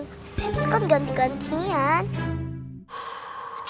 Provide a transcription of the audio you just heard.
tapi kan ganti gantian